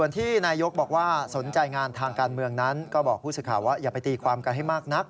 ทางการเมืองนั้นก็บอกผู้สื่อข่าวว่าอย่าไปตีความการให้มากนัก